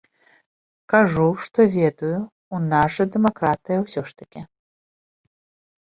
Кажу, што ведаю, у нас жа дэмакратыя ўсе ж такі.